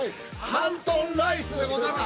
ハントンライスでございます。